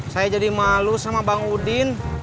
saya jadi malu sama bang udin